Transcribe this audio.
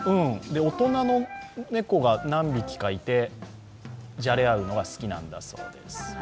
大人の猫が何匹かいてじゃれ合うのが好きなんだそうです。